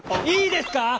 いいですか！